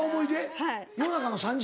夜中の３時？